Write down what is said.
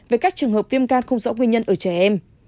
về các trường hợp viêm gan không rõ nguyên nhân ở trẻ em